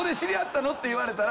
て言われたら。